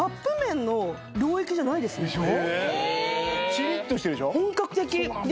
チリッとしてるでしょ